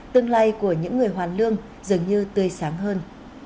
tương lai của những người hoàn lương dường như tươi sáng hơn